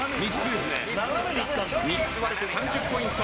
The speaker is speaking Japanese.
３つ割れて３０ポイント。